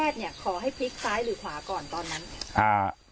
ขอให้พลิกซ้ายหรือขวาก่อนตอนนั้น